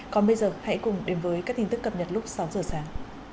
còn bây giờ hãy cùng đến với các tin tức cập nhật lúc sáu giờ sáng